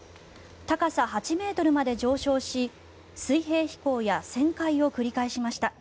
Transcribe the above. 高さ８ｍまで上昇し水平飛行や旋回を繰り返しました。